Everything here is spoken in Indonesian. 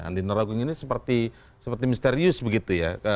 andina rogong ini seperti misterius begitu ya